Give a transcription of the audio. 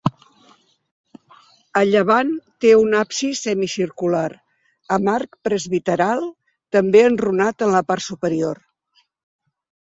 A llevant té un absis semicircular, amb arc presbiteral, també enrunat en la part superior.